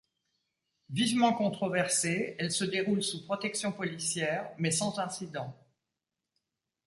Vivement controversée, elle se déroule sous protection policière, mais sans incident.